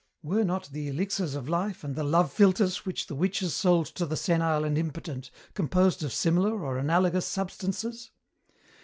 Were not the elixirs of life and the love philtres which the witches sold to the senile and impotent composed of similar or analogous substances?